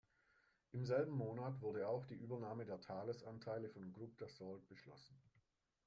Im selben Monat wurde auch die Übernahme der Thales-Anteile von Groupe Dassault beschlossen.